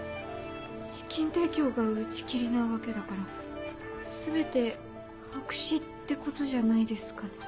資金提供が打ち切りなわけだから全て白紙ってことじゃないですかね。